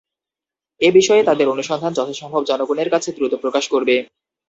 এ বিষয়ে তাদের অনুসন্ধান যথাসম্ভব জনগণের কাছে দ্রুত প্রকাশ করবে।